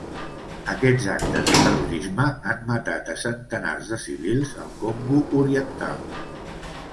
Aquests actes de terrorisme han matat a centenars de civils al Congo oriental.